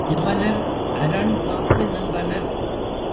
யவனர் அரண் காத்து நின்றனர்.